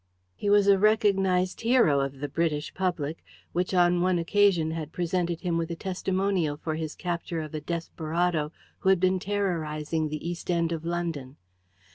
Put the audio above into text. He was a recognized hero of the British public, which on one occasion had presented him with a testimonial for his capture of a desperado who had been terrorizing the East End of London.